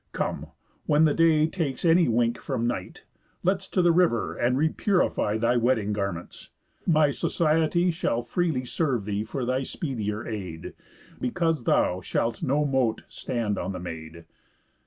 Come, when the Day takes any wink from Night, Let's to the river, and repurify Thy wedding garments. My society Shall freely serve thee for thy speedier aid, Because thou shalt no mote stand on the maid.